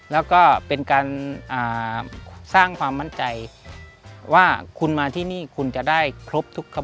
แล้วก็เป็นการสร้างความมั่นใจว่าคุณมาที่นี่คุณจะได้ครบทุก